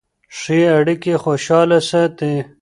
ښې اړیکې خوشحاله ساتي.